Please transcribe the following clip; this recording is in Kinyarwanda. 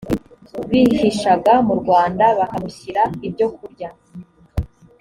bihishaga mu rwanda bakamushyira ibyo kurya